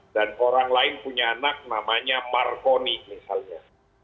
dan orang lain punya anak namanya marconi misalnya